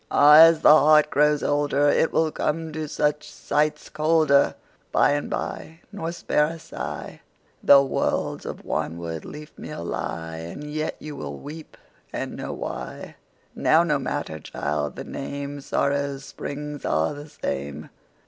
Áh! ás the heart grows olderIt will come to such sights colderBy and by, nor spare a sighThough worlds of wanwood leafmeal lie; And yet you wíll weep and know why. Now no matter, child, the name:Sórrow's spríngs áre the same.